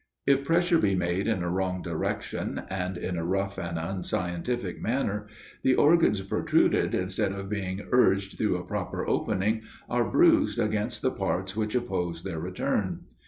If pressure be made in a wrong direction, and in a rough and unscientific manner, the organs protruded instead of being urged through a proper opening, are bruised against the parts which oppose their return.